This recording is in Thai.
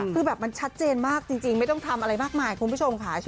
คือแบบมันชัดเจนมากจริงไม่ต้องทำอะไรมากมายคุณผู้ชมค่ะ